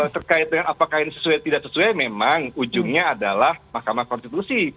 terkait dengan apakah ini sesuai tidak sesuai memang ujungnya adalah mahkamah konstitusi